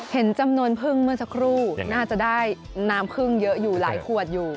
เห็นจำนวนพึ่งเมื่อสักครู่น่าจะได้น้ำพึ่งเยอะอยู่หลายขวดอยู่